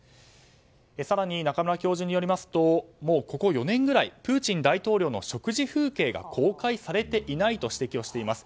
更に、中村教授によりますともう、ここ４年ぐらいプーチン大統領の食事風景が公開されていないと指摘をしています。